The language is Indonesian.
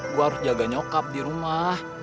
gua harus jaga nyokap dirumah